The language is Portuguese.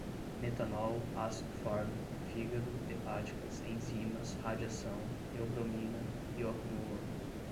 metanol, ácido fórmico, fígado, hepáticas, enzimas, radiação, teobromina, bioacumulam